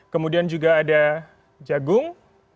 kemudian juga ada jagung